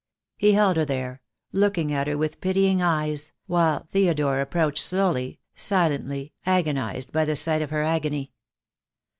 He held her there, looking at her with pitying eyes, while Theodore approached slowly, silently, agonized by the sight of her agony.